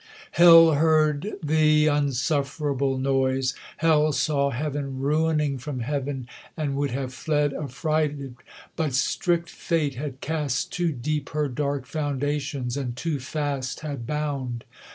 Hell heard th' unsufferable noise ; Hell saw Heav'n ruining from Heav'n, and would have fled Affrighted ! but strict fate had cast too deep Her dark foundations, and too fast had bound.